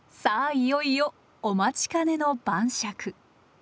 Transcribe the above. いよいよお待ちかねの晩酌。